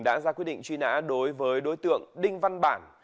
đã ra quyết định truy nã đối với đối tượng đinh văn bản